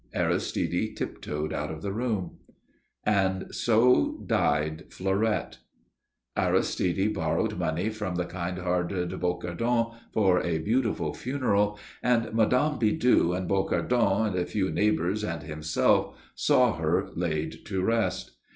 Aristide tiptoed out of the room. And so died Fleurette. Aristide borrowed money from the kind hearted Bocardon for a beautiful funeral, and Mme. Bidoux and Bocardon and a few neighbours and himself saw her laid to rest.